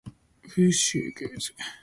臘腸狗